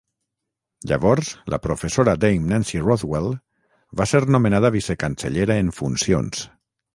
Llavors, la professora Dame Nancy Rothwell va ser nomenada vicecancellera en funcions.